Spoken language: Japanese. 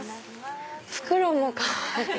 袋もかわいい！